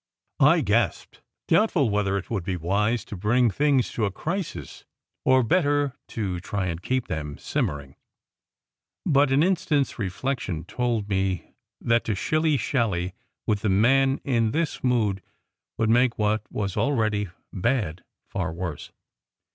I gasped, doubtful whether it would be wise to bring things to a crisis, or better to try and keep them simmering. But an instant s reflection told me that to shilly shally with the man in this mood would make what was already bad far worse.